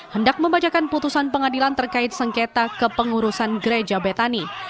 hendak membacakan putusan pengadilan terkait sengketa kepengurusan gereja betani